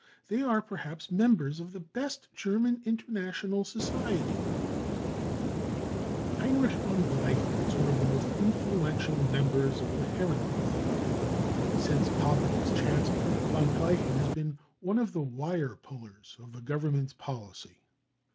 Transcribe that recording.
They are perhaps members of the best German international society ." (Our emphasis. Editors.) Heinrich von Gleichen is one of the most influential members of the Herrenklub . Since Papen was Chancellor, von Gleichen has been one of the wire pullers of the Government's policy.